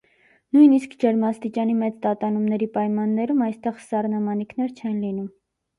Նույնիսկ ջերմաստիճանի մեծ տատանումների պայմաններում այստեղ սառնամանիքներ չեն լինում։